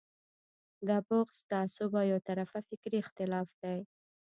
دا بغض، تعصب او یو طرفه فکري اختلاف دی.